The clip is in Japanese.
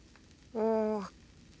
うん。